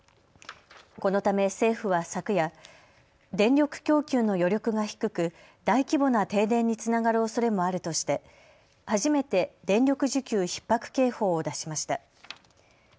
このため政府は昨夜、電力供給の余力が低く大規模な停電につながるおそれもあるとして初めて電力需給ひっ迫警報を出しました。